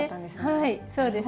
はいそうです。